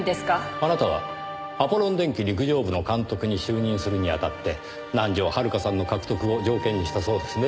あなたはアポロン電機陸上部の監督に就任するにあたって南条遥さんの獲得を条件にしたそうですね。